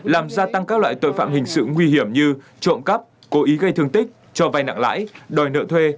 làm gia tăng các loại tội phạm hình sự nguy hiểm như trộm cắp cố ý gây thương tích cho vai nặng lãi đòi nợ thuê